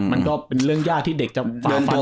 มันก็เป็นเรื่องยากที่เด็กจะฝ่าฟัน